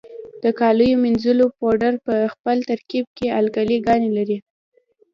د کالیو منیځلو پوډر په خپل ترکیب کې القلي ګانې لري.